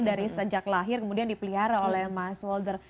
dari sejak lahir kemudian dipelihara oleh mas walder